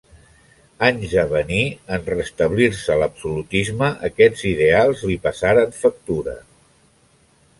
Anys a venir, en restablir-se l'absolutisme, aquests ideals li passaren factura.